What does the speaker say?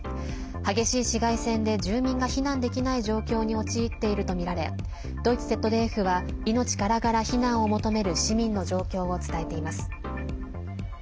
激しい市街戦で住民が避難できない状況に陥っているとみられドイツＺＤＦは命からがら避難を求める市民の状況を伝えています。